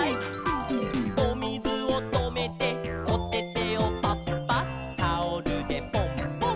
「おみずをとめておててをパッパッ」「タオルでポンポン」